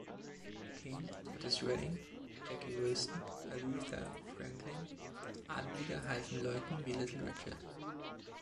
King, Otis Redding, Jackie Wilson, Aretha Franklin; Adelige halfen Leuten wie Little Richard.